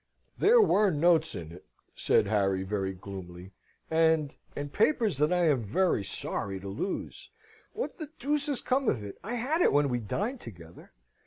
"There were notes in it," said Harry, very gloomily, "and and papers that I am very sorry to lose. What the deuce has come of it? I had it when we dined together."